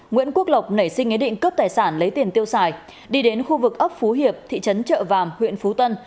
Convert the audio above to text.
nguyễn quốc lộc nảy sinh ý định cướp tài sản lấy tiền tiêu xài đi đến khu vực ấp phú hiệp thị trấn trợ vàm huyện phú tân